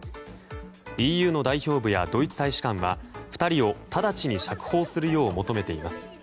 ＥＵの代表部やドイツ大使館は２人を直ちに釈放するよう求めています。